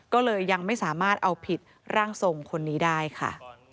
ก็เลยยังไม่สามารถเอาผิดร่างทรงคนนี้ได้ค่ะ